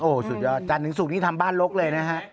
โอ้สุดยอดจากนึงสุดนี้ทำบ้านลกเลยนะฮะ